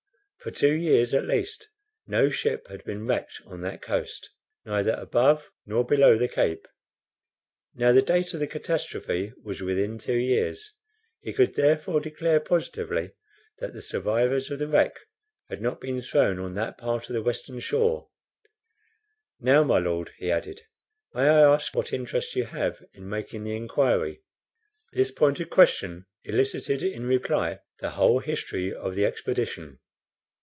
For two years, at least, no ship had been wrecked on that coast, neither above nor below the Cape. Now, the date of the catastrophe was within two years. He could, therefore, declare positively that the survivors of the wreck had not been thrown on that part of the western shore. "Now, my Lord," he added, "may I ask what interest you have in making the inquiry?" This pointed question elicited in reply the whole history of the expedition.